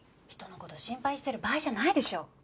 人の事心配してる場合じゃないでしょ。